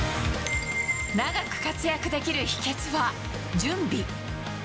長く活躍できる秘けつは準備。